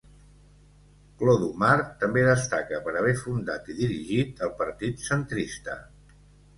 Clodumar també destaca per haver fundat i dirigit el Partit Centrista.